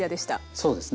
そうですね。